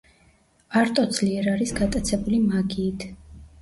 არტო ძლიერ არის გატაცებული მაგიით.